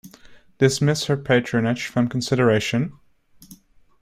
Dismiss her patronage from consideration?